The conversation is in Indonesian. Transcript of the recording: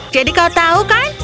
jadi kau tahu kan